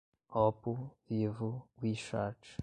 Oppo, Vivo, We Chat